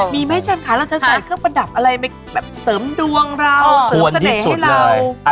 มีไหมอาจารย์ค่ะเราจะใส่เครื่องประดับอะไรไปแบบเสริมดวงเราเสริมเสน่ห์ให้เรา